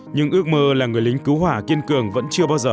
nhưng ước mơ là người lính cứu hỏa kiên cường vẫn chưa bao giờ